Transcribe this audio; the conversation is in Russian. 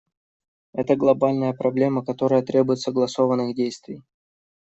Это глобальная проблема, которая требует согласованных действий.